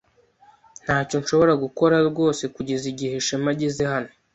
Ntacyo nshobora gukora rwose kugeza igihe Shema ageze hano.